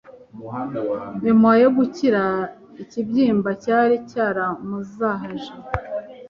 nyuma yo gukira ikibyimba cyari cyaramuzahaje